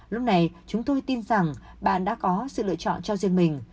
lúc này chúng tôi tin rằng bạn đã có sự lựa chọn cho riêng mình